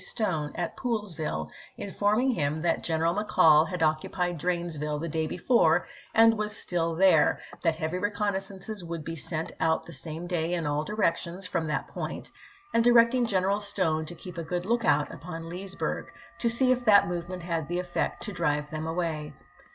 Stone at Poolesville informing him that General McCall had occupied Dranesville the day before and was still there, that heavy reconnaissances would be sent out the same day in all directions from that point, and directing General Stone to keep a good lookout upon Leesbm'g, to see if that movement coiburnto had the effect to drive them away.